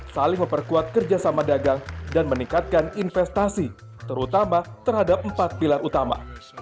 saling memperkuat kerjasama dagang dan meningkatkan investasi terutama terhadap empat pilar utama